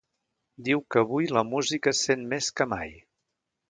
Diu que avui la música es sent més que mai.